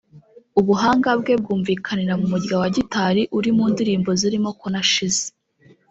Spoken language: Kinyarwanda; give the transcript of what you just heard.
ubuhanga bwe bwumvikanira mu murya wa gitari uri mu ndirimbo zirimo ‘Ko Nashize’